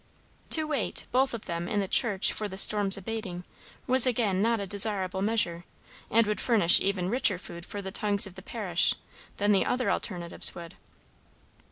To wait, both of them, in the church, for the storm's abating, was again not a desirable measure, and would furnish even richer food for the tongues of the parish than the other alternatives would.